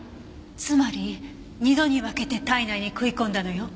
つまり２度に分けて体内に食い込んだのよ。